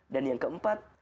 dan yang keempat